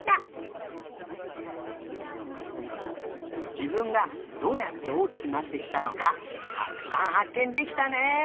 自分がどうやって大きくなってきたのかたくさんはっけんできたね！